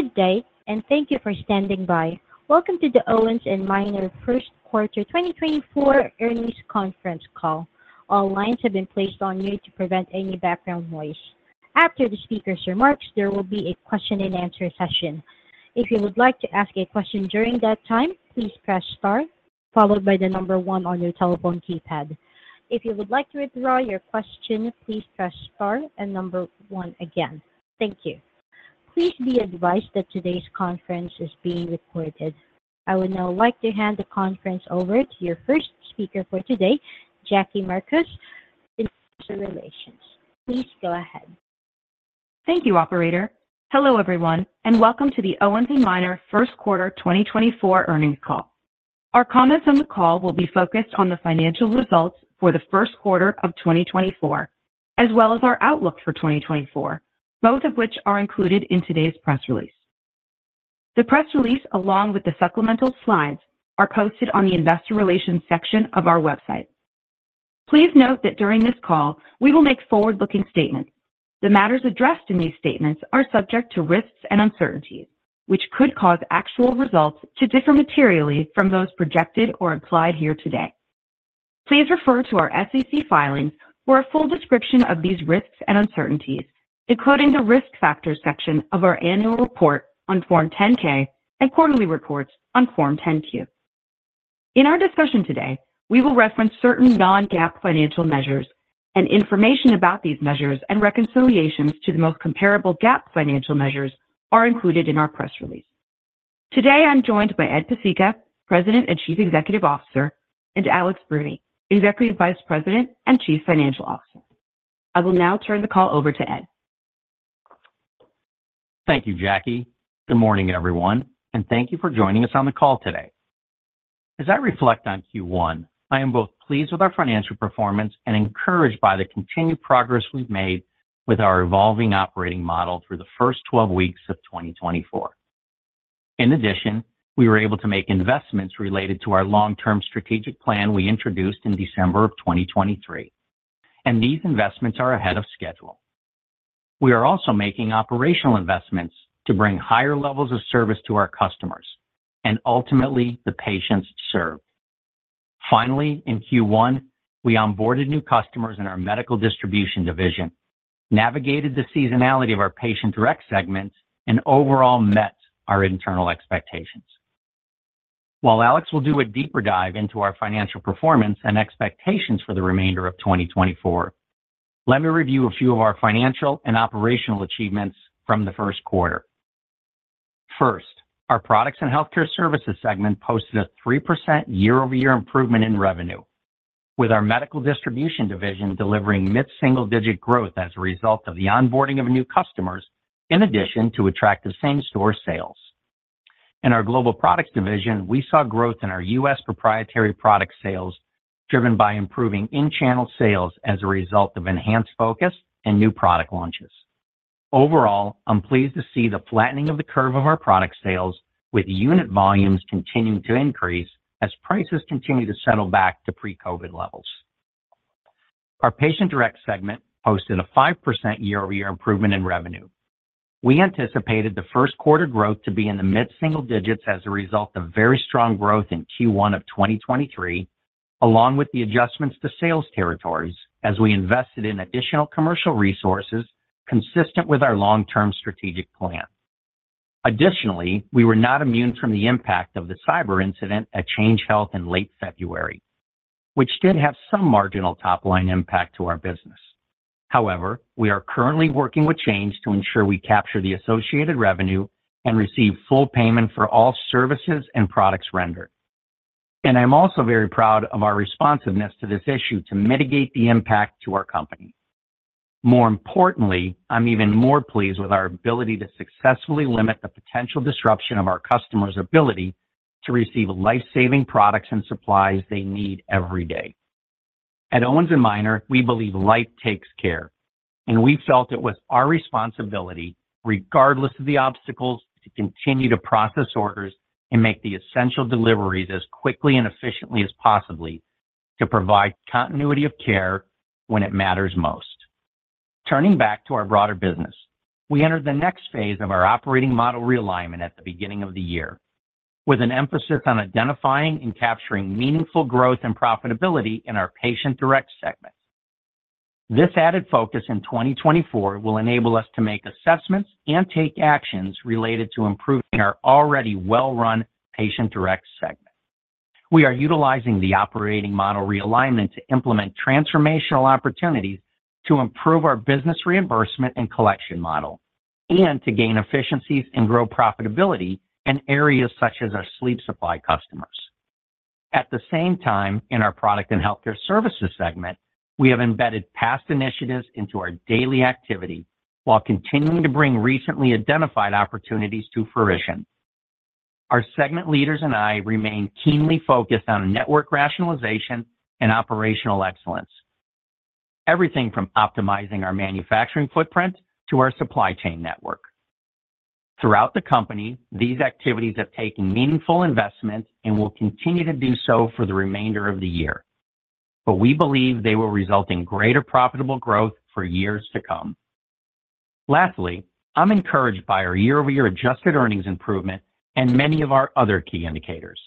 Good day, and thank you for standing by. Welcome to the Owens & Minor First Quarter 2024 Earnings Conference Call. All lines have been placed on mute to prevent any background noise. After the speaker's remarks, there will be a question and answer session. If you would like to ask a question during that time, please press Star, followed by the number one on your telephone keypad. If you would like to withdraw your question, please press star and number one again. Thank you. Please be advised that today's conference is being recorded. I would now like to hand the conference over to your first speaker for today, Jackie Marcus, Investor Relations. Please go ahead. Thank you, operator. Hello, everyone, and welcome to the Owens & Minor First Quarter 2024 Earnings Call. Our comments on the call will be focused on the financial results for the first quarter of 2024, as well as our outlook for 2024, both of which are included in today's press release. The press release, along with the supplemental slides, are posted on the Investor Relations section of our website. Please note that during this call, we will make forward-looking statements. The matters addressed in these statements are subject to risks and uncertainties, which could cause actual results to differ materially from those projected or implied here today. Please refer to our SEC filings for a full description of these risks and uncertainties, including the Risk Factors section of our annual report on Form 10-K and quarterly reports on Form 10-Q. In our discussion today, we will reference certain non-GAAP financial measures, and information about these measures and reconciliations to the most comparable GAAP financial measures, are included in our press release. Today, I'm joined by Ed Pesicka, President and Chief Executive Officer, and Alex Bruni, Executive Vice President and Chief Financial Officer. I will now turn the call over to Ed. Thank you, Jackie. Good morning, everyone, and thank you for joining us on the call today. As I reflect on Q1, I am both pleased with our financial performance and encouraged by the continued progress we've made with our evolving operating model through the first 12 weeks of 2024. In addition, we were able to make investments related to our long-term strategic plan we introduced in December of 2023, and these investments are ahead of schedule. We are also making operational investments to bring higher levels of service to our customers and ultimately, the patients served. Finally, in Q1, we onboarded new customers in our medical distribution division, navigated the seasonality of our patient direct segment, and overall met our internal expectations. While Alex will do a deeper dive into our financial performance and expectations for the remainder of 2024, let me review a few of our financial and operational achievements from the first quarter. First, our products and healthcare services segment posted a 3% year-over-year improvement in revenue, with our medical distribution division delivering mid-single-digit growth as a result of the onboarding of new customers, in addition to attractive same-store sales. In our global products division, we saw growth in our U.S. proprietary product sales, driven by improving in-channel sales as a result of enhanced focus and new product launches. Overall, I'm pleased to see the flattening of the curve of our product sales, with unit volumes continuing to increase as prices continue to settle back to pre-COVID levels. Our patient direct segment posted a 5% year-over-year improvement in revenue. We anticipated the first quarter growth to be in the mid-single digits as a result of very strong growth in Q1 of 2023, along with the adjustments to sales territories as we invested in additional commercial resources consistent with our long-term strategic plan. Additionally, we were not immune from the impact of the cyber incident at Change Healthcare in late February, which did have some marginal top-line impact to our business. However, we are currently working with Change Healthcare to ensure we capture the associated revenue and receive full payment for all services and products rendered. And I'm also very proud of our responsiveness to this issue to mitigate the impact to our company. More importantly, I'm even more pleased with our ability to successfully limit the potential disruption of our customers' ability to receive life-saving products and supplies they need every day. At Owens & Minor, we believe Life Takes Care, and we felt it was our responsibility, regardless of the obstacles, to continue to process orders and make the essential deliveries as quickly and efficiently as possible to provide continuity of care when it matters most. Turning back to our broader business, we entered the next phase of our operating model realignment at the beginning of the year, with an emphasis on identifying and capturing meaningful growth and profitability in our patient direct segment. This added focus in 2024 will enable us to make assessments and take actions related to improving our already well-run patient direct segment. We are utilizing the operating model realignment to implement transformational opportunities to improve our business reimbursement and collection model, and to gain efficiencies and grow profitability in areas such as our sleep supply customers. At the same time, in our product and healthcare services segment, we have embedded past initiatives into our daily activity while continuing to bring recently identified opportunities to fruition. Our segment leaders and I remain keenly focused on network rationalization and operational excellence. Everything from optimizing our manufacturing footprint to our supply chain network. Throughout the company, these activities have taken meaningful investments and will continue to do so for the remainder of the year, but we believe they will result in greater profitable growth for years to come. Lastly, I'm encouraged by our year-over-year adjusted earnings improvement and many of our other key indicators.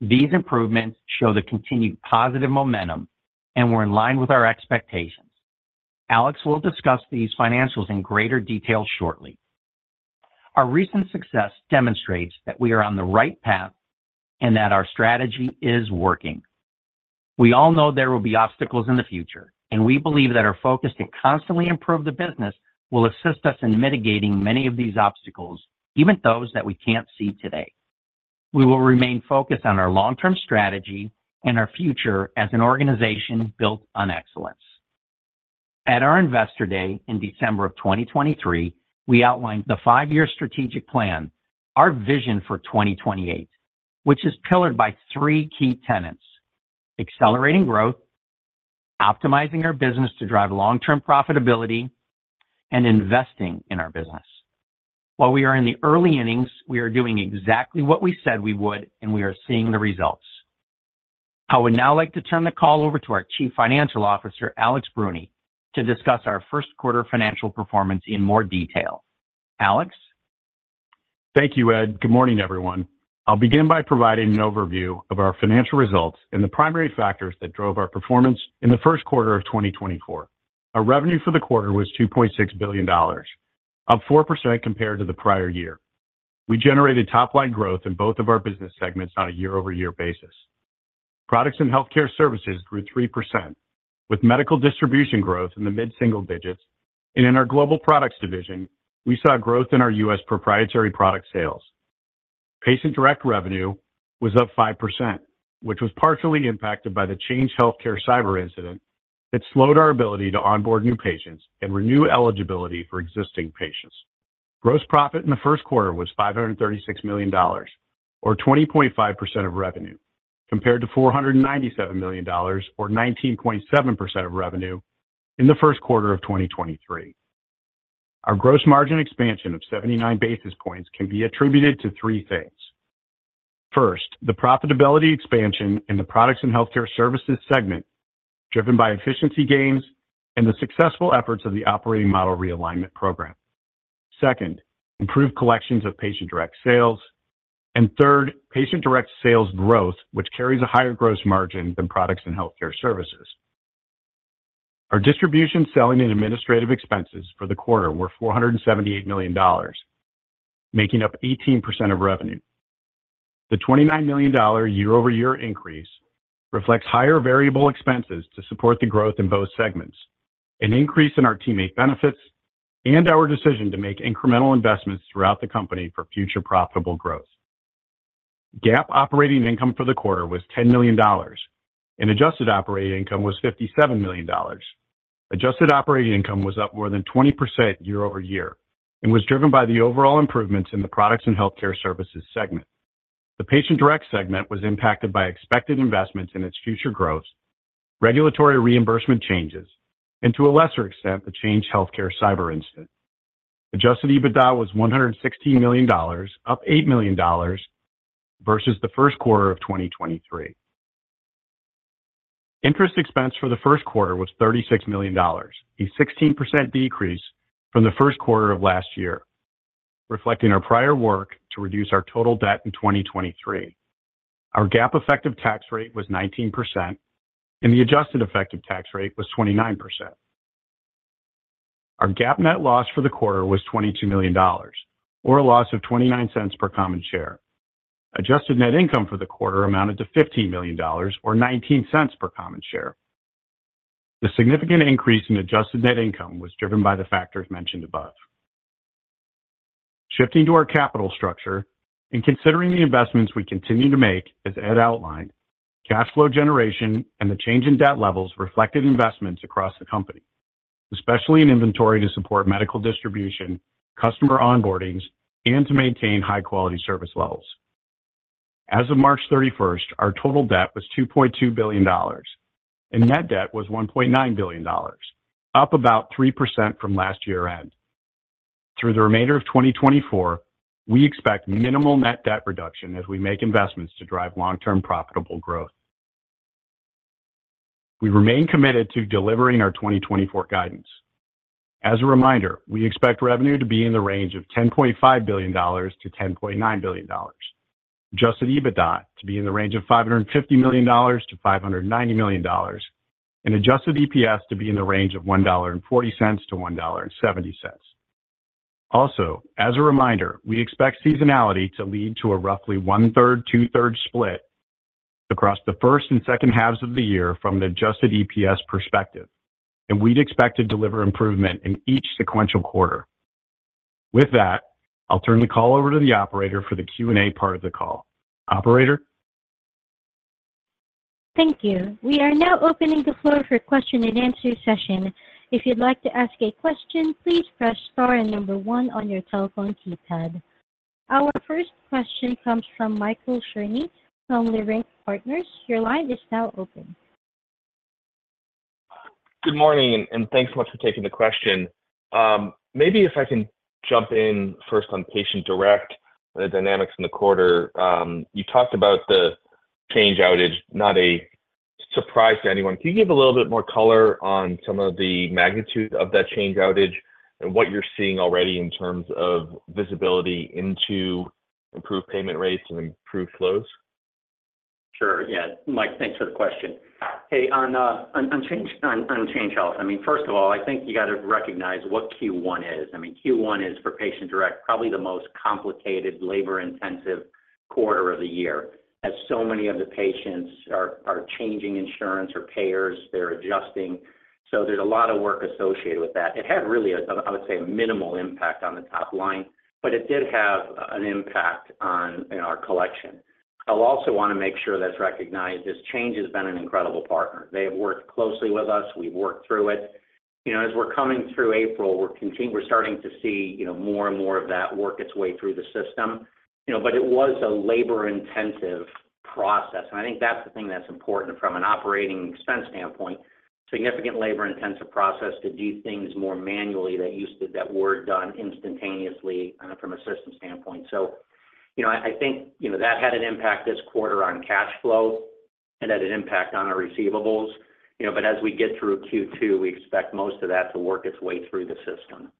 These improvements show the continued positive momentum, and we're in line with our expectations. Alex will discuss these financials in greater detail shortly. Our recent success demonstrates that we are on the right path and that our strategy is working. We all know there will be obstacles in the future, and we believe that our focus to constantly improve the business will assist us in mitigating many of these obstacles, even those that we can't see today. We will remain focused on our long-term strategy and our future as an organization built on excellence. At our Investor Day in December of 2023, we outlined the five-year strategic plan, our vision for 2028, which is pillared by three key tenets: accelerating growth, optimizing our business to drive long-term profitability, and investing in our business. While we are in the early innings, we are doing exactly what we said we would, and we are seeing the results. I would now like to turn the call over to our Chief Financial Officer, Alex Bruni, to discuss our first quarter financial performance in more detail. Alex? Thank you, Ed. Good morning, everyone. I'll begin by providing an overview of our financial results and the primary factors that drove our performance in the first quarter of 2024. Our revenue for the quarter was $2.6 billion, up 4% compared to the prior year. We generated top-line growth in both of our business segments on a year-over-year basis. Products and healthcare services grew 3%, with medical distribution growth in the mid-single digits, and in our global products division, we saw growth in our U.S. proprietary product sales. Patient direct revenue was up 5%, which was partially impacted by the Change Healthcare cyber incident that slowed our ability to onboard new patients and renew eligibility for existing patients. Gross profit in the first quarter was $536 million, or 20.5% of revenue, compared to $497 million, or 19.7% of revenue, in the first quarter of 2023. Our gross margin expansion of 79 basis points can be attributed to three things. First, the profitability expansion in the products and healthcare services segment, driven by efficiency gains and the successful efforts of the operating model realignment program. Second, improved collections of patient direct sales. And third, patient direct sales growth, which carries a higher gross margin than products and healthcare services. Our distribution, selling, and administrative expenses for the quarter were $478 million, making up 18% of revenue. The $29 million year-over-year increase reflects higher variable expenses to support the growth in both segments, an increase in our teammate benefits, and our decision to make incremental investments throughout the company for future profitable growth. GAAP operating income for the quarter was $10 million, and adjusted operating income was $57 million. Adjusted operating income was up more than 20% year-over-year and was driven by the overall improvements in the products and healthcare services segment. The patient direct segment was impacted by expected investments in its future growth, regulatory reimbursement changes, and, to a lesser extent, the Change Healthcare cyber incident. Adjusted EBITDA was $116 million, up $8 million versus the first quarter of 2023. Interest expense for the first quarter was $36 million, a 16% decrease from the first quarter of last year, reflecting our prior work to reduce our total debt in 2023. Our GAAP effective tax rate was 19%, and the adjusted effective tax rate was 29%. Our GAAP net loss for the quarter was $22 million, or a loss of $0.29 per common share. Adjusted net income for the quarter amounted to $15 million, or $0.19 per common share. The significant increase in adjusted net income was driven by the factors mentioned above. Shifting to our capital structure and considering the investments we continue to make, as Ed outlined, cash flow generation and the change in debt levels reflected investments across the company, especially in inventory to support medical distribution, customer onboardings, and to maintain high-quality service levels. As of March 31st, our total debt was $2.2 billion, and net debt was $1.9 billion, up about 3% from last year-end. Through the remainder of 2024, we expect minimal net debt reduction as we make investments to drive long-term profitable growth. We remain committed to delivering our 2024 guidance. As a reminder, we expect revenue to be in the range of $10.5 billion-$10.9 billion, adjusted EBITDA to be in the range of $550 million-$590 million, and adjusted EPS to be in the range of $1.40-$1.70. Also, as a reminder, we expect seasonality to lead to a roughly 1/3, 2/3 split across the first and second halves of the year from an Adjusted EPS perspective, and we'd expect to deliver improvement in each sequential quarter. With that, I'll turn the call over to the operator for the Q&A part of the call. Operator? Thank you. We are now opening the floor for question and answer session. If you'd like to ask a question, please press star and number one on your telephone keypad. Our first question comes from Michael Cherny from Leerink Partners. Your line is now open.... Good morning, and thanks so much for taking the question. Maybe if I can jump in first on Patient Direct, the dynamics in the quarter. You talked about the Change outage, not a surprise to anyone. Can you give a little bit more color on some of the magnitude of that Change outage and what you're seeing already in terms of visibility into improved payment rates and improved flows? Sure. Yeah, Mike, thanks for the question. Hey, on Change, I mean, first of all, I think you got to recognize what Q1 is. I mean, Q1 is, for Patient Direct, probably the most complicated, labor-intensive quarter of the year, as so many of the patients are changing insurance or payers, they're adjusting. So there's a lot of work associated with that. It had really a, I would say, a minimal impact on the top line, but it did have an impact on our collection. I'll also want to make sure that's recognized, this Change has been an incredible partner. They have worked closely with us. We've worked through it. You know, as we're coming through April, we're starting to see, you know, more and more of that work its way through the system. You know, but it was a labor-intensive process, and I think that's the thing that's important from an operating expense standpoint, significant labor-intensive process to do things more manually that used to—that were done instantaneously, from a system standpoint. So, you know, I, I think, you know, that had an impact this quarter on cash flow and had an impact on our receivables. You know, but as we get through Q2, we expect most of that to work its way through the system.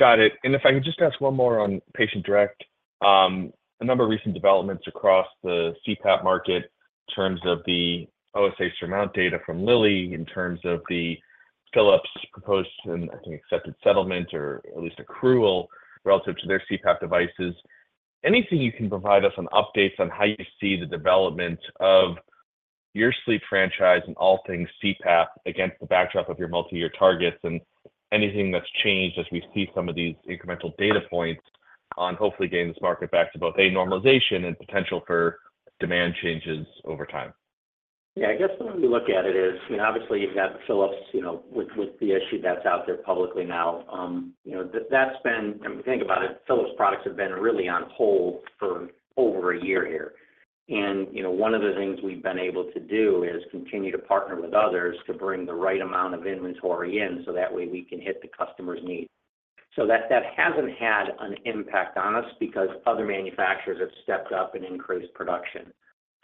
Got it. And if I could just ask one more on Patient Direct. A number of recent developments across the CPAP market in terms of the OSA SURMOUNT data from Lilly, in terms of the Philips proposed and I think accepted settlement, or at least accrual relative to their CPAP devices. Anything you can provide us on updates on how you see the development of your sleep franchise and all things CPAP against the backdrop of your multi-year targets, and anything that's changed as we see some of these incremental data points on hopefully getting this market back to both, A, normalization and potential for demand changes over time? Yeah, I guess the way we look at it is, I mean, obviously, you've got the Philips, you know, with the issue that's out there publicly now. You know, that's been... If you think about it, Philips products have been really on hold for over a year here. And, you know, one of the things we've been able to do is continue to partner with others to bring the right amount of inventory in, so that way, we can hit the customer's needs. So that hasn't had an impact on us because other manufacturers have stepped up and increased production.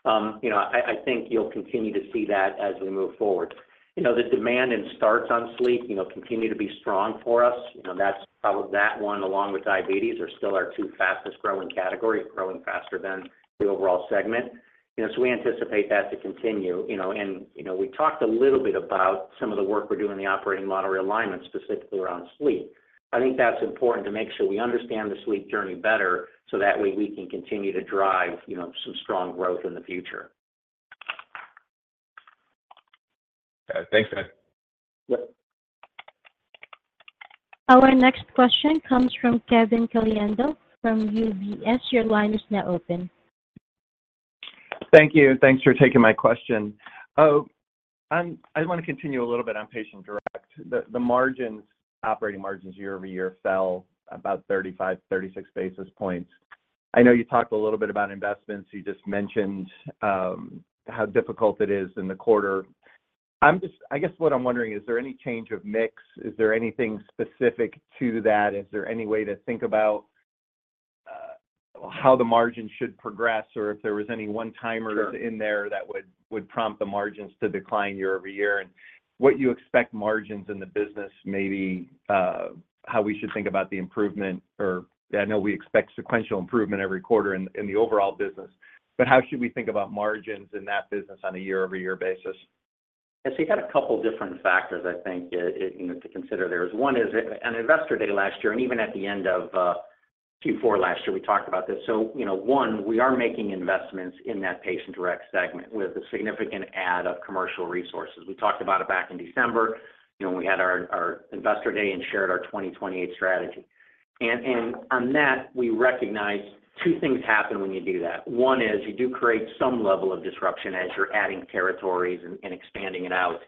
You know, I think you'll continue to see that as we move forward. You know, the demand and starts on sleep continue to be strong for us. You know, that's probably that one, along with diabetes, are still our two fastest growing categories, growing faster than the overall segment. You know, so we anticipate that to continue. You know, and, you know, we talked a little bit about some of the work we're doing in the operating model realignment, specifically around sleep. I think that's important to make sure we understand the sleep journey better, so that way, we can continue to drive, you know, some strong growth in the future. Thanks, man. Yep. Our next question comes from Kevin Caliendo from UBS. Your line is now open. Thank you. Thanks for taking my question. I want to continue a little bit on Patient Direct. The margins, operating margins year-over-year fell about 35, 36 basis points. I know you talked a little bit about investments. You just mentioned how difficult it is in the quarter. I'm just, I guess what I'm wondering, is there any change of mix? Is there anything specific to that? Is there any way to think about how the margins should progress, or if there was any one-timers- Sure... in there that would prompt the margins to decline year-over-year? And what you expect margins in the business, maybe, how we should think about the improvement or... I know we expect sequential improvement every quarter in the overall business, but how should we think about margins in that business on a year-over-year basis? Yes, we had a couple of different factors, I think, you know, to consider there. One is, at Investor Day last year, and even at the end of Q4 last year, we talked about this. So, you know, one, we are making investments in that Patient Direct segment with a significant ad of commercial resources. We talked about it back in December, you know, when we had our Investor Day and shared our 2028 strategy. And on that, we recognize two things happen when you do that. One is you do create some level of disruption as you're adding territories and expanding it out.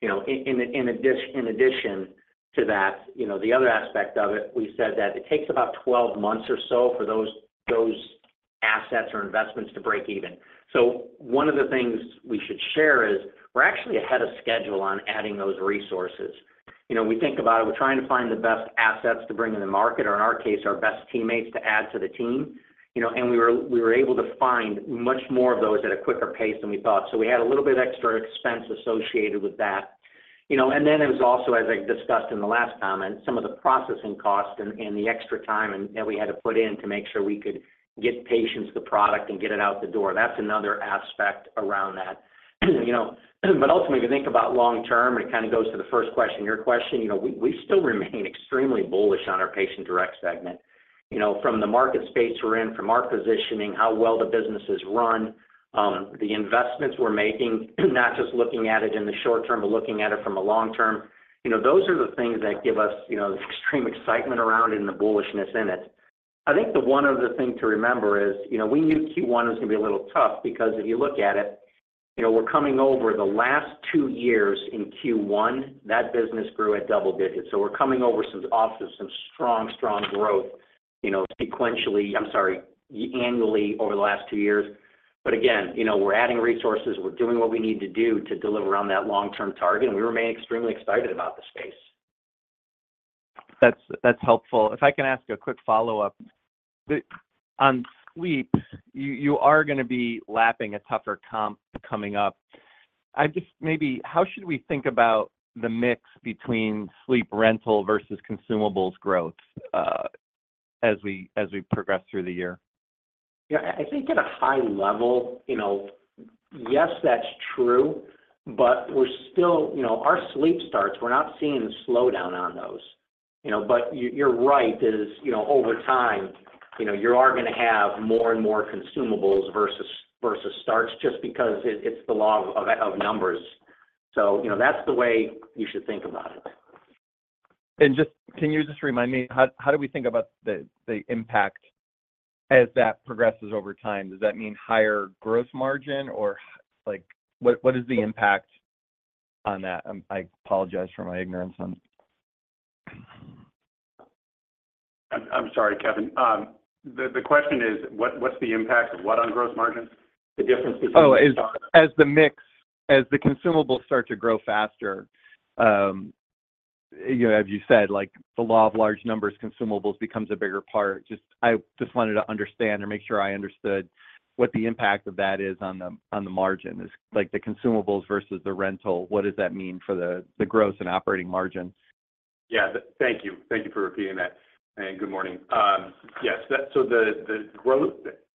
You know, in addition to that, you know, the other aspect of it, we said that it takes about 12 months or so for those assets or investments to break even. So one of the things we should share is, we're actually ahead of schedule on adding those resources. You know, we think about it, we're trying to find the best assets to bring in the market, or in our case, our best teammates to add to the team, you know, and we were able to find much more of those at a quicker pace than we thought. So we had a little bit of extra expense associated with that. You know, and then it was also, as I discussed in the last comment, some of the processing costs and the extra time and that we had to put in to make sure we could get patients the product and get it out the door. That's another aspect around that. You know, but ultimately, if you think about long term, it kind of goes to the first question, your question, you know, we still remain extremely bullish on our Patient Direct segment. You know, from the market space we're in, from our positioning, how well the business is run, the investments we're making, not just looking at it in the short term, but looking at it from a long term. You know, those are the things that give us, you know, this extreme excitement around it and the bullishness in it. I think the one other thing to remember is, you know, we knew Q1 was going to be a little tough because if you look at it, you know, we're coming over some off of some strong, strong growth. You know, sequentially, I'm sorry, annually over the last two years. But again, you know, we're adding resources, we're doing what we need to do to deliver on that long-term target, and we remain extremely excited about the space. That's, that's helpful. If I can ask a quick follow-up. On sleep, you are gonna be lapping a tougher comp coming up. I just maybe how should we think about the mix between sleep rental versus consumables growth, as we progress through the year? Yeah, I think at a high level, you know, yes, that's true, but we're still... You know, our sleep starts, we're not seeing a slowdown on those. You know, but you're right, you know, over time, you know, you are gonna have more and more consumables versus starts just because it's the law of numbers. So, you know, that's the way you should think about it. Can you just remind me, how do we think about the impact as that progresses over time? Does that mean higher gross margin, or like, what is the impact on that? I apologize for my ignorance on. I'm sorry, Kevin. The question is, what's the impact of what on gross margins? The difference between- Oh, as the mix, as the consumables start to grow faster, you know, as you said, like, the law of large numbers, consumables becomes a bigger part. Just, I just wanted to understand or make sure I understood what the impact of that is on the, on the margin. Is like, the consumables versus the rental, what does that mean for the, the gross and operating margins? Yeah, thank you. Thank you for repeating that, and good morning. Yes, that. So the growth,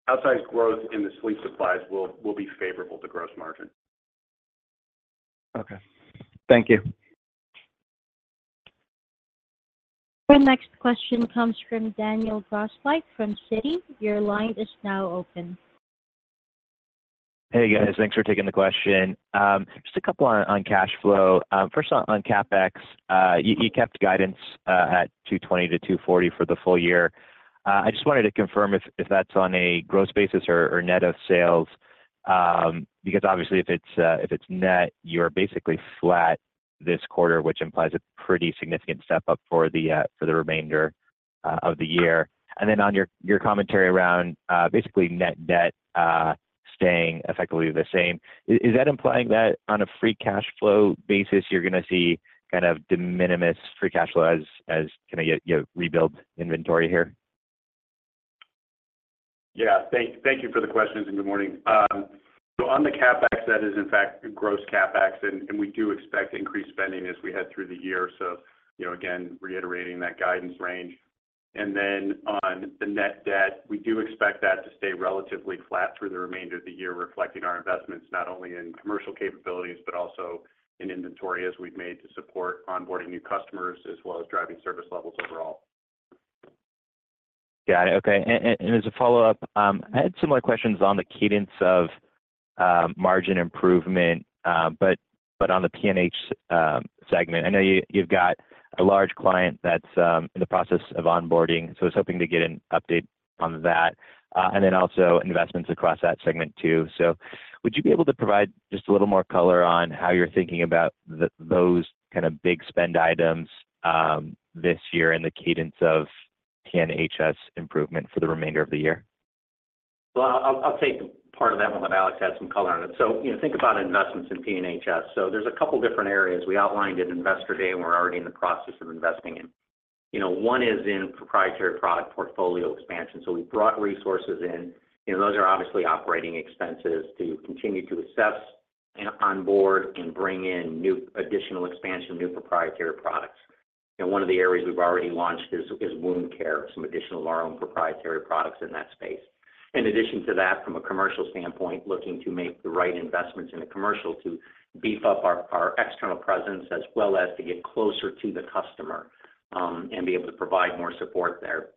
outsized growth in the Sleep Supplies will be favorable to gross margin. Okay. Thank you. Your next question comes from Daniel Grosslight from Citi. Your line is now open. Hey, guys. Thanks for taking the question. Just a couple on cash flow. First on CapEx, you kept guidance at $200-$240 for the full year. I just wanted to confirm if that's on a gross basis or net of sales, because obviously, if it's net, you're basically flat this quarter, which implies a pretty significant step up for the remainder of the year. And then on your commentary around basically net debt staying effectively the same. Is that implying that on a free cash flow basis, you're gonna see kind of de minimis free cash flow as kind of you rebuild inventory here? Yeah. Thank, thank you for the questions, and good morning. So on the CapEx, that is, in fact, gross CapEx, and we do expect increased spending as we head through the year. You know, again, reiterating that guidance range. Then on the net debt, we do expect that to stay relatively flat through the remainder of the year, reflecting our investments, not only in commercial capabilities, but also in inventory as we've made to support onboarding new customers, as well as driving service levels overall. Got it. Okay. And as a follow-up, I had similar questions on the cadence of margin improvement, but on the PNH segment. I know you've got a large client that's in the process of onboarding, so I was hoping to get an update on that, and then also investments across that segment, too. So would you be able to provide just a little more color on how you're thinking about those kind of big spend items this year and the cadence of PNH's improvement for the remainder of the year? Well, I'll take part of that one, let Alex add some color on it. So, you know, think about investments in PNHS. So there's a couple different areas we outlined at Investor Day, and we're already in the process of investing in. You know, one is in proprietary product portfolio expansion. So we brought resources in, and those are obviously operating expenses to continue to assess and onboard and bring in new additional expansion, new proprietary products. And one of the areas we've already launched is wound care, some additional of our own proprietary products in that space. In addition to that, from a commercial standpoint, looking to make the right investments in the commercial to beef up our external presence, as well as to get closer to the customer, and be able to provide more support there.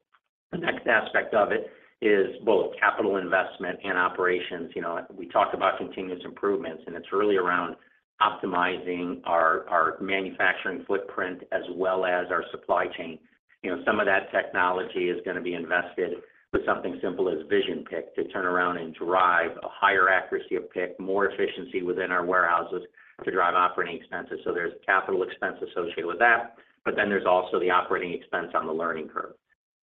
The next aspect of it is both capital investment and operations. You know, we talked about continuous improvements, and it's really around optimizing our manufacturing footprint, as well as our supply chain. You know, some of that technology is gonna be invested with something simple as Vision Pick, to turn around and drive a higher accuracy of pick, more efficiency within our warehouses to drive operating expenses. So there's capital expense associated with that, but then there's also the operating expense on the learning curve.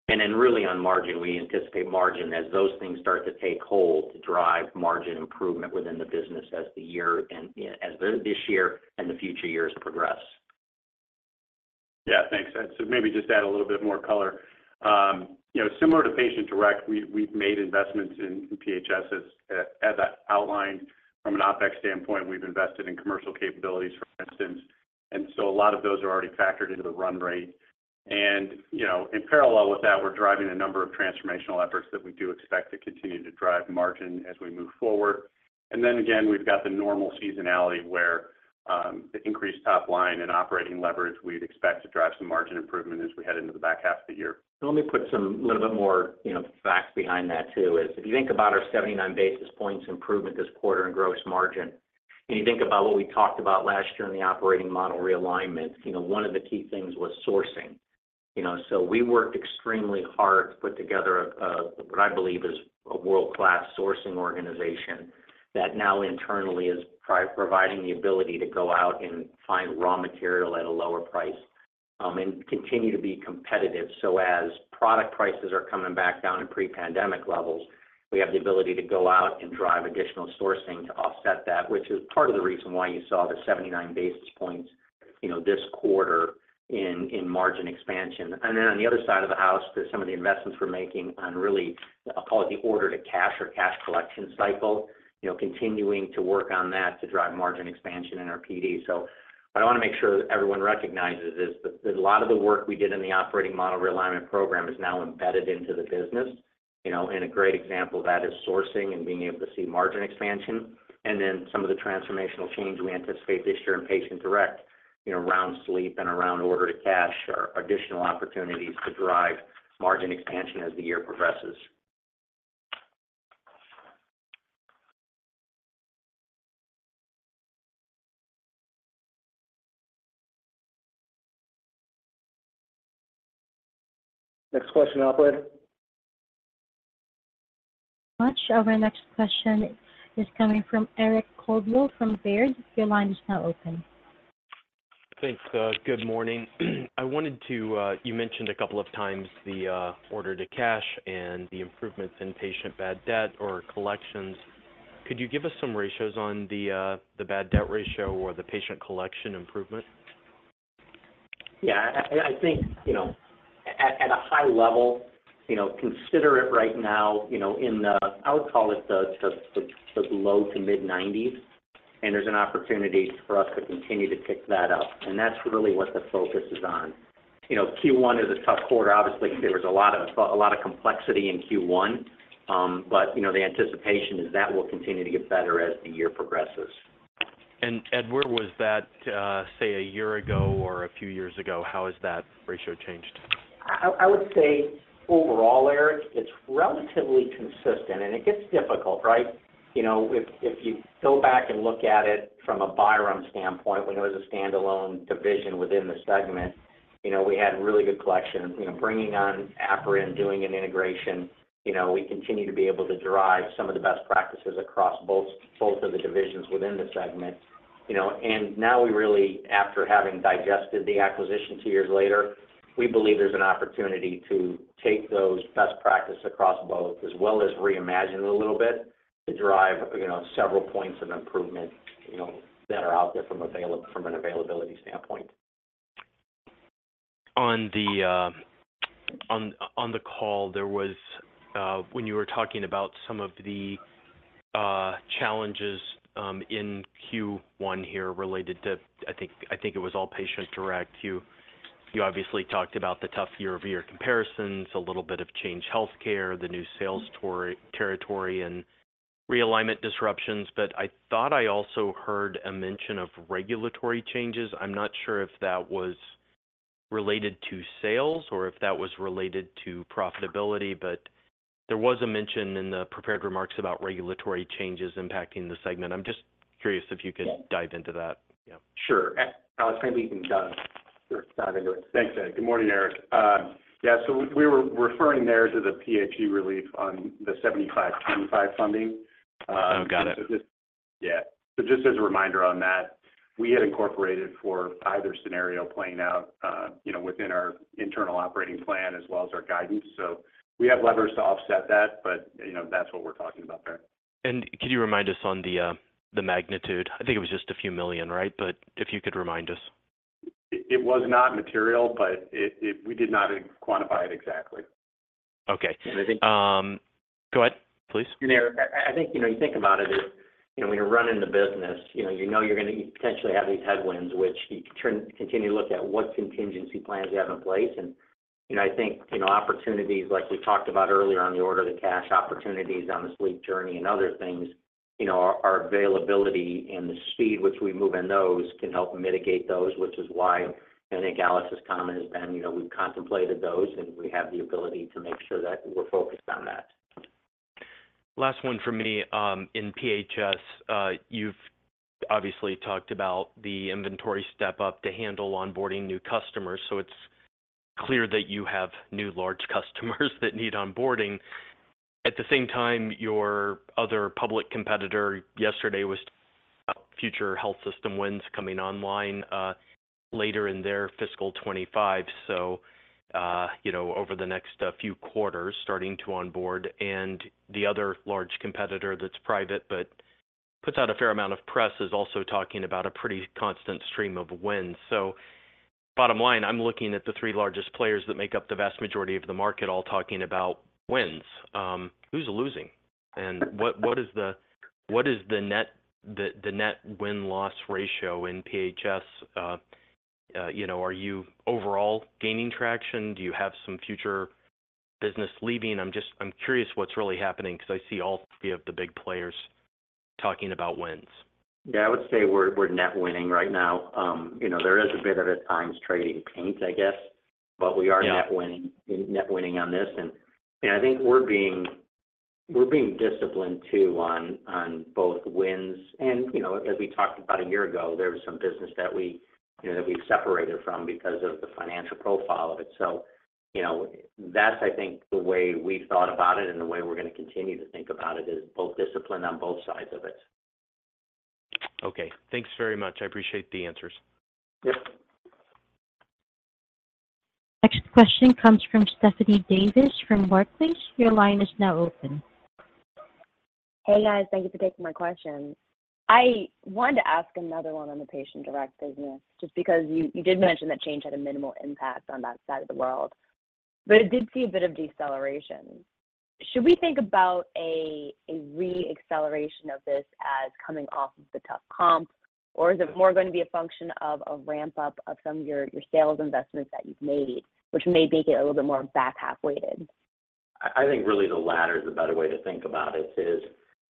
And then really on margin, we anticipate margin as those things start to take hold, to drive margin improvement within the business as the year and, you know, as this year and the future years progress. Yeah, thanks. So maybe just add a little bit more color. You know, similar to Patient Direct, we, we've made investments in PHS as, as I outlined from an OpEx standpoint, we've invested in commercial capabilities, for instance, and so a lot of those are already factored into the run rate. And, you know, in parallel with that, we're driving a number of transformational efforts that we do expect to continue to drive margin as we move forward. And then again, we've got the normal seasonality, where, the increased top line and operating leverage, we'd expect to drive some margin improvement as we head into the back half of the year. Let me put some little bit more, you know, facts behind that, too, is if you think about our 79 basis points improvement this quarter in gross margin, and you think about what we talked about last year in the operating model realignment, you know, one of the key things was sourcing. You know, so we worked extremely hard to put together a what I believe is a world-class sourcing organization that now internally is providing the ability to go out and find raw material at a lower price, and continue to be competitive. So as product prices are coming back down to pre-pandemic levels, we have the ability to go out and drive additional sourcing to offset that, which is part of the reason why you saw the 79 basis points, you know, this quarter in margin expansion. And then on the other side of the house, there's some of the investments we're making on really, I'll call it the order to cash or cash collection cycle, you know, continuing to work on that to drive margin expansion in our PD. So what I want to make sure that everyone recognizes is that a lot of the work we did in the operating model realignment program is now embedded into the business, you know. And a great example of that is sourcing and being able to see margin expansion, and then some of the transformational change we anticipate this year in Patient Direct, you know, around sleep and around order to cash are additional opportunities to drive margin expansion as the year progresses. Next question, operator? Much. Our next question is coming from Eric Coldwell from Baird. Your line is now open. Thanks, good morning. I wanted to... You mentioned a couple of times the, order to cash and the improvements in patient bad debt or collections. Could you give us some ratios on the, the bad debt ratio or the patient collection improvement? Yeah, I think, you know, at a high level, you know, consider it right now, you know, in the—I would call it the low to mid-nineties, and there's an opportunity for us to continue to tick that up, and that's really what the focus is on. You know, Q1 is a tough quarter. Obviously, there was a lot of a lot of complexity in Q1. But, you know, the anticipation is that will continue to get better as the year progresses. Ed, where was that, say, a year ago or a few years ago? How has that ratio changed? I would say overall, Eric, it's relatively consistent, and it gets difficult, right? You know, if you go back and look at it from a Byram standpoint, when it was a standalone division within the segment, you know, we had really good collection. You know, bringing on Apria and doing an integration, you know, we continue to be able to derive some of the best practices across both of the divisions within the segment. You know, and now we really, after having digested the acquisition two years later, we believe there's an opportunity to take those best practices across both, as well as reimagine it a little bit, to drive, you know, several points of improvement, you know, that are out there from an availability standpoint. On the, on, on the call, there was, when you were talking about some of the, challenges, in Q1 here related to, I think, I think it was all Patient Direct, you, you obviously talked about the tough year-over-year comparisons, a little bit of Change Healthcare, the new sales tor-- territory, and realignment disruptions. But I thought I also heard a mention of regulatory changes. I'm not sure if that was related to sales or if that was related to profitability, but there was a mention in the prepared remarks about regulatory changes impacting the segment. I'm just curious if you could- Yeah. Dive into that. Yeah. Sure. I think we can dive into it. Thanks, Ed. Good morning, Eric. Yeah, so we, we were referring there to the PHE relief on the 75-25 funding. Oh, got it. Yeah. So just as a reminder on that, we had incorporated for either scenario playing out, you know, within our internal operating plan as well as our guidance. So we have levers to offset that, but, you know, that's what we're talking about there. Could you remind us on the magnitude? I think it was just a few million, right? But if you could remind us. It was not material, but it—we did not quantify it exactly. Okay. And I think— Go ahead, please. And, Eric, I think, you know, you think about it as, you know, when you're running the business, you know, you know you're gonna potentially have these headwinds, which you continue to look at what contingency plans you have in place. And, you know, I think, you know, opportunities, like we talked about earlier on the order of the cash opportunities on the sleep journey and other things, you know, our availability and the speed which we move in those can help mitigate those, which is why I think Alex's comment has been, "You know, we've contemplated those, and we have the ability to make sure that we're focused on that. Last one for me. In PHS, you've obviously talked about the inventory step-up to handle onboarding new customers, so it's clear that you have new large customers that need onboarding. At the same time, your other public competitor yesterday was future health system wins coming online later in their fiscal 25. So, you know, over the next few quarters, starting to onboard. And the other large competitor that's private, but puts out a fair amount of press, is also talking about a pretty constant stream of wins. So bottom line, I'm looking at the three largest players that make up the vast majority of the market, all talking about wins. Who's losing? And what is the net win-loss ratio in PHS? You know, are you overall gaining traction? Do you have some future business leaving? I'm just, I'm curious what's really happening, because I see all three of the big players talking about wins. Yeah, I would say we're, we're net winning right now. You know, there is a bit of a times trading paint, I guess, but we are- Yeah... net winning, net winning on this. And I think we're being disciplined too, on both wins. And, you know, as we talked about a year ago, there was some business that we, you know, that we separated from because of the financial profile of it. So, you know, that's, I think, the way we've thought about it and the way we're gonna continue to think about it, is both disciplined on both sides of it.... Okay, thanks very much. I appreciate the answers. Yep. Next question comes from Stephanie Davis from Barclays. Your line is now open. Hey, guys. Thank you for taking my question. I wanted to ask another one on the Patient Direct business, just because you did mention that Change had a minimal impact on that side of the world, but it did see a bit of deceleration. Should we think about a re-acceleration of this as coming off of the tough comp? Or is it more going to be a function of a ramp-up of some of your sales investments that you've made, which may make it a little bit more back half weighted? I think really the latter is a better way to think about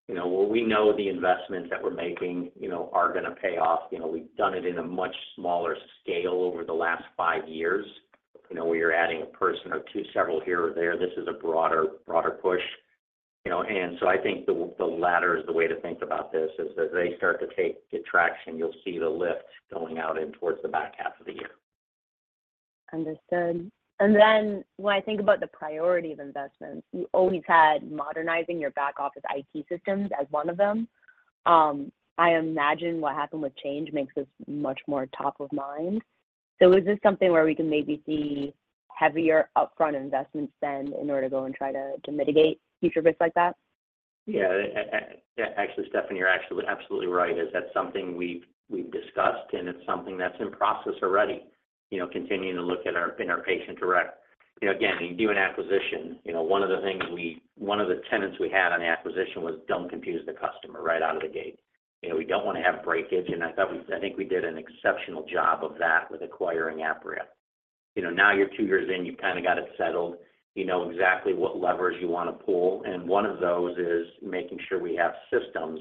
it, you know, well, we know the investments that we're making, you know, are gonna pay off. You know, we've done it in a much smaller scale over the last five years. You know, we are adding a person or two, several here or there. This is a broader push, you know. And so I think the latter is the way to think about this, as they start to get traction, you'll see the lift going out in towards the back half of the year. Understood. And then when I think about the priority of investments, you always had modernizing your back office IT systems as one of them. I imagine what happened with Change Healthcare makes this much more top of mind. So is this something where we can maybe see heavier upfront investments then in order to go and try to, to mitigate future risks like that? Yeah. Actually, Stephanie, you're actually absolutely right. That's something we've, we've discussed, and it's something that's in process already. You know, continuing to look at our, in our Patient Direct. You know, again, you do an acquisition, you know, one of the things we, one of the tenets we had on the acquisition was, don't confuse the customer right out of the gate. You know, we don't wanna have breakage, and I thought we, I think we did an exceptional job of that with acquiring Apria. You know, now you're two years in, you've kinda got it settled. You know exactly what levers you wanna pull, and one of those is making sure we have systems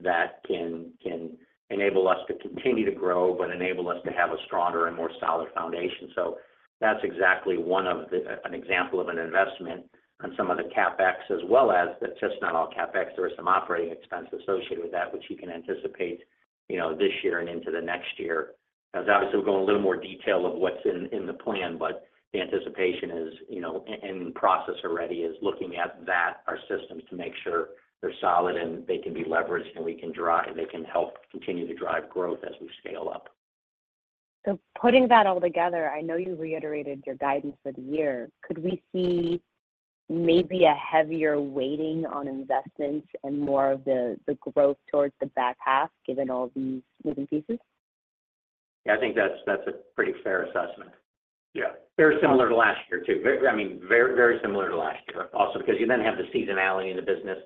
that can, can enable us to continue to grow, but enable us to have a stronger and more solid foundation. So that's exactly one of the, an example of an investment on some of the CapEx, as well as. It's just not all CapEx, there are some operating expenses associated with that, which you can anticipate, you know, this year and into the next year. As obviously, we'll go in a little more detail of what's in the plan, but the anticipation is, you know, in process already, is looking at that, our systems, to make sure they're solid and they can be leveraged, and we can drive, they can help continue to drive growth as we scale up. Putting that all together, I know you reiterated your guidance for the year. Could we see maybe a heavier weighting on investments and more of the growth towards the back half, given all these moving pieces? Yeah, I think that's, that's a pretty fair assessment. Yeah. Very similar to last year, too. I mean, very, very similar to last year also, because you then have the seasonality in the business.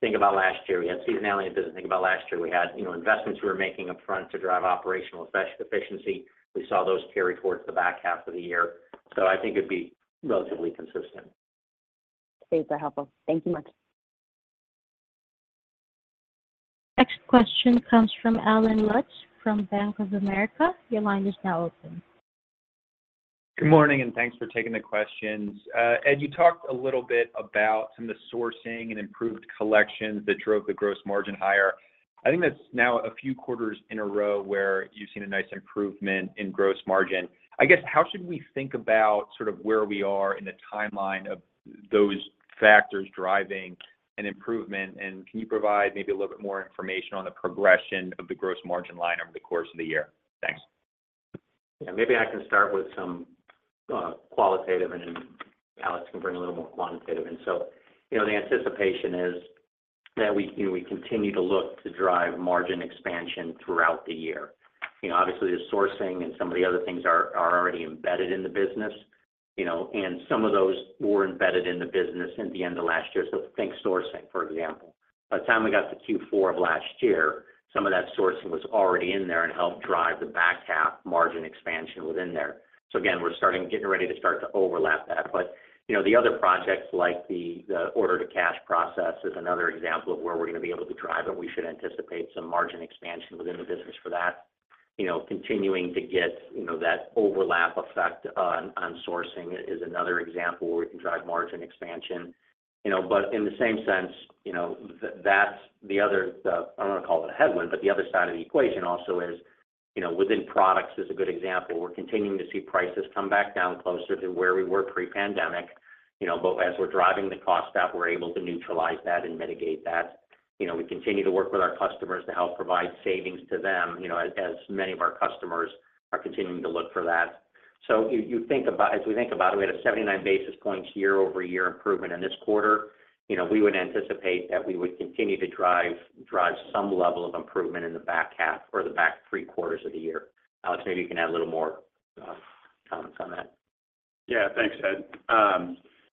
Think about last year, we had seasonality in the business. Think about last year, we had, you know, investments we were making upfront to drive operational efficiency. We saw those carry towards the back half of the year. So I think it'd be relatively consistent. Thanks for helpful. Thank you much. Next question comes from Allen Lutz from Bank of America. Your line is now open. Good morning, and thanks for taking the questions. Ed, you talked a little bit about some of the sourcing and improved collections that drove the gross margin higher. I think that's now a few quarters in a row where you've seen a nice improvement in gross margin. I guess, how should we think about sort of where we are in the timeline of those factors driving an improvement? And can you provide maybe a little bit more information on the progression of the gross margin line over the course of the year? Thanks. Yeah, maybe I can start with some qualitative, and then Alex can bring a little more quantitative in. So, you know, the anticipation is that we, you know, we continue to look to drive margin expansion throughout the year. You know, obviously, the sourcing and some of the other things are already embedded in the business, you know, and some of those were embedded in the business at the end of last year. So think sourcing, for example. By the time we got to Q4 of last year, some of that sourcing was already in there and helped drive the back half margin expansion within there. So again, we're starting, getting ready to start to overlap that. But, you know, the other projects, like the order to cash process, is another example of where we're gonna be able to drive, and we should anticipate some margin expansion within the business for that. You know, continuing to get, you know, that overlap effect on sourcing is another example where we can drive margin expansion. You know, but in the same sense, you know, that's the other... I don't wanna call it a headwind, but the other side of the equation also is, you know, within products is a good example. We're continuing to see prices come back down closer to where we were pre-pandemic, you know, but as we're driving the cost out, we're able to neutralize that and mitigate that. You know, we continue to work with our customers to help provide savings to them, you know, as many of our customers are continuing to look for that. So you think about, as we think about it, we had a 79 basis points year-over-year improvement in this quarter. You know, we would anticipate that we would continue to drive some level of improvement in the back half or the back three quarters of the year. Alex, maybe you can add a little more comments on that. Yeah. Thanks, Ed.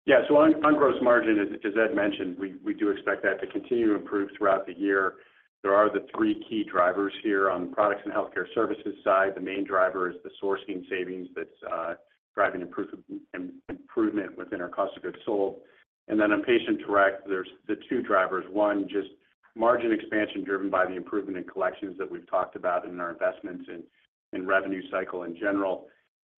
Yeah, so on gross margin, as Ed mentioned, we do expect that to continue to improve throughout the year. There are the three key drivers here on the products and healthcare services side. The main driver is the sourcing savings that's driving improvement within our cost of goods sold. And then on patient direct, there's the two drivers. One, just margin expansion driven by the improvement in collections that we've talked about in our investments in revenue cycle in general.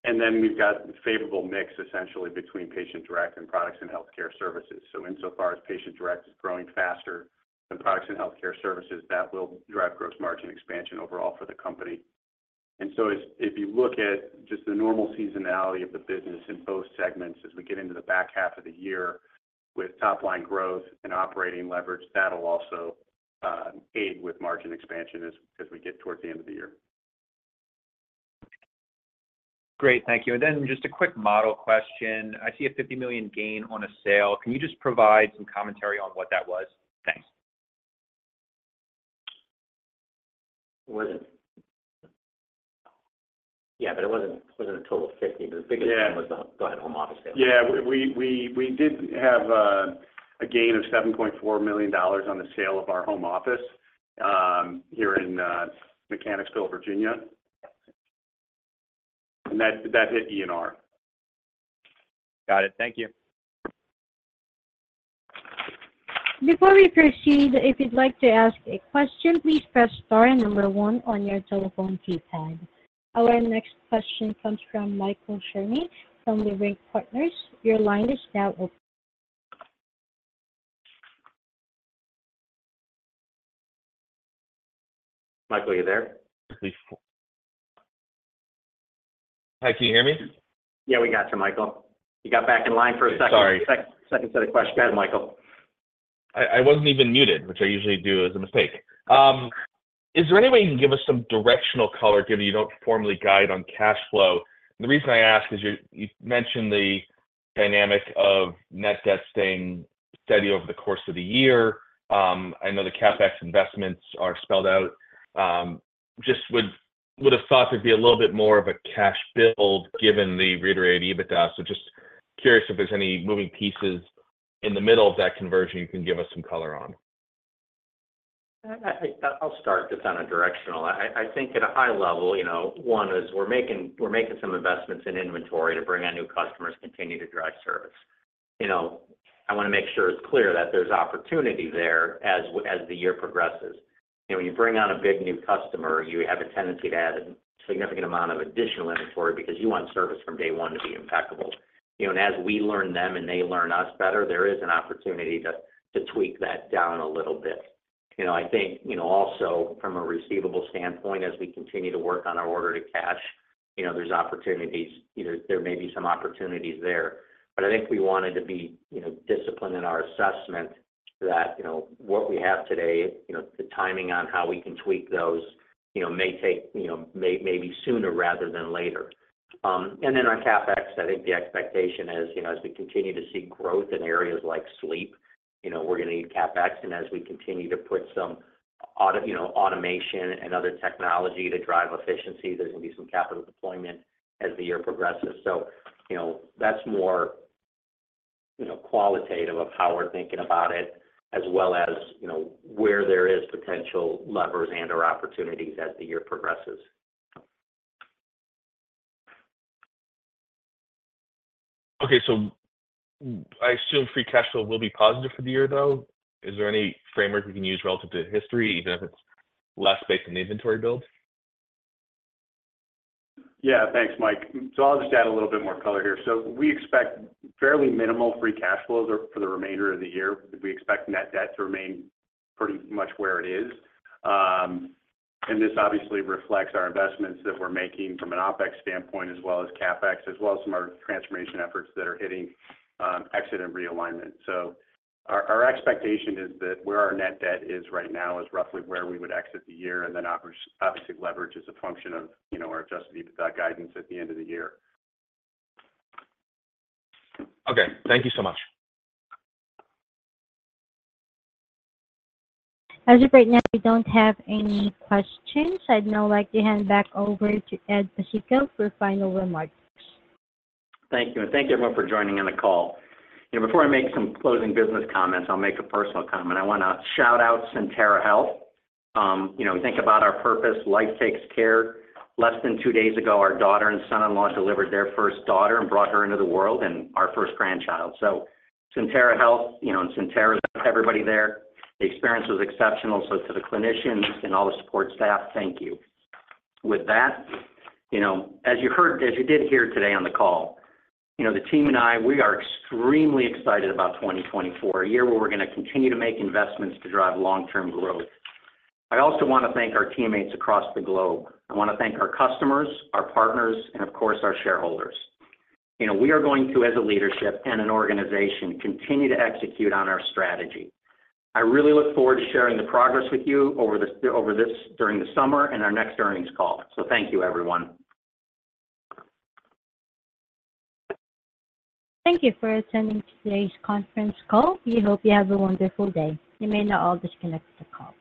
And then we've got favorable mix, essentially, between patient direct and products and healthcare services. So insofar as patient direct is growing faster than products and healthcare services, that will drive gross margin expansion overall for the company.... If, if you look at just the normal seasonality of the business in both segments, as we get into the back half of the year with top-line growth and operating leverage, that'll also aid with margin expansion as, as we get towards the end of the year. Great. Thank you. And then just a quick model question. I see a $50 million gain on a sale. Can you just provide some commentary on what that was? Thanks. Was it? Yeah, but it wasn't a total of $50, but the biggest one was the- Yeah Go ahead, home office sale. Yeah. We did have a gain of $7.4 million on the sale of our home office here in Mechanicsville, Virginia. That hit ENR. Got it. Thank you. Before we proceed, if you'd like to ask a question, please press star and number one on your telephone keypad. Our next question comes from Michael Cherney from Leerink Partners. Your line is now open. Michael, are you there? Hi, can you hear me? Yeah, we got you, Michael. You got back in line for a second. Sorry. Second set of questions. Go ahead, Michael. I wasn't even muted, which I usually do as a mistake. Is there any way you can give us some directional color, given you don't formally guide on cash flow? The reason I ask is you mentioned the dynamic of net debt staying steady over the course of the year. I know the CapEx investments are spelled out. Just would have thought there'd be a little bit more of a cash build given the reiterated EBITDA. So just curious if there's any moving pieces in the middle of that conversion you can give us some color on. I'll start just on a directional. I think at a high level, you know, one is we're making some investments in inventory to bring on new customers, continue to drive service. You know, I want to make sure it's clear that there's opportunity there as the year progresses. You know, when you bring on a big new customer, you have a tendency to add a significant amount of additional inventory because you want service from day one to be impeccable. You know, and as we learn them and they learn us better, there is an opportunity to tweak that down a little bit. You know, I think, you know, also from a receivable standpoint, as we continue to work on our order to cash, you know, there's opportunities, you know, there may be some opportunities there. But I think we wanted to be, you know, disciplined in our assessment that, you know, what we have today, you know, the timing on how we can tweak those, you know, may take, you know, maybe sooner rather than later. And then on CapEx, I think the expectation is, you know, as we continue to see growth in areas like sleep, you know, we're gonna need CapEx. And as we continue to put some auto, you know, automation and other technology to drive efficiency, there's gonna be some capital deployment as the year progresses. So, you know, that's more, you know, qualitative of how we're thinking about it, as well as, you know, where there is potential levers and/or opportunities as the year progresses. Okay. I assume free cash flow will be positive for the year, though? Is there any framework we can use relative to history, even if it's less based on the inventory build? Yeah. Thanks, Mike. So I'll just add a little bit more color here. So we expect fairly minimal free cash flows for the remainder of the year. We expect net debt to remain pretty much where it is. And this obviously reflects our investments that we're making from an OpEx standpoint, as well as CapEx, as well as some of our transformation efforts that are hitting exit and realignment. So our expectation is that where our net debt is right now is roughly where we would exit the year, and then obviously, leverage is a function of, you know, our adjusted EBITDA guidance at the end of the year. Okay. Thank you so much. As of right now, we don't have any questions. I'd now like to hand back over to Ed Pesicka for final remarks. Thank you. And thank you, everyone, for joining in the call. You know, before I make some closing business comments, I'll make a personal comment. I want to shout out Sentara Health. You know, we think about our purpose: life takes care. Less than two days ago, our daughter and son-in-law delivered their first daughter and brought her into the world, and our first grandchild. So Sentara Health, you know, and Sentara, everybody there, the experience was exceptional. So to the clinicians and all the support staff, thank you. With that, you know, as you did hear today on the call, you know, the team and I, we are extremely excited about 2024, a year where we're gonna continue to make investments to drive long-term growth. I also want to thank our teammates across the globe. I want to thank our customers, our partners, and of course, our shareholders. You know, we are going to, as a leadership and an organization, continue to execute on our strategy. I really look forward to sharing the progress with you over this, over this during the summer and our next earnings call. Thank you, everyone. Thank you for attending today's conference call. We hope you have a wonderful day. You may now all disconnect the call.